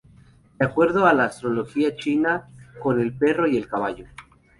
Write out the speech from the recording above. De acuerdo a la astrología china, con El Perro y El Caballo.